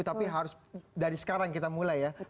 tapi harus dari sekarang kita mulai ya